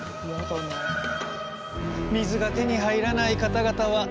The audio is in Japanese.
水が手に入らない方々は大変ですね。